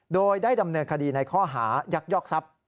โดยได้ดำเนินคดีในข้อหายักยอกทรัพย์